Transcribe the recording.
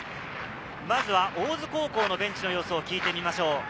まずは大津高校のベンチの様子を聞いてみましょう。